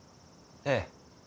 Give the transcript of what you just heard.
ええ。